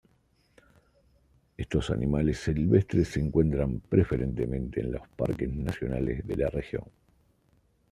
Estos animales silvestres se encuentran preferentemente en los parques nacionales de la región.